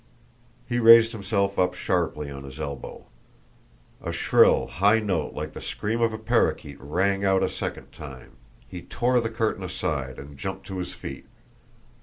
He raised himself up sharply on his elbow. A shrill, high note, like the scream of a parrakeet, rang out a second time. He tore the curtain aside, and jumped to his feet.